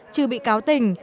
trừ bị cáo tình